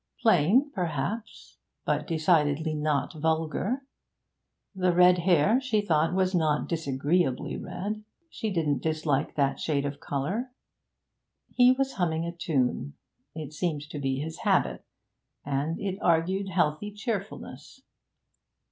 Plain, perhaps, but decidedly not vulgar. The red hair, she thought, was not disagreeably red; she didn't dislike that shade of colour. He was humming a tune; it seemed to be his habit, and it argued healthy cheerfulness.